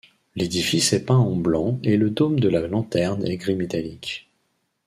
L'édifice est peint en blanc et le dôme de la lanterne est gris métallique.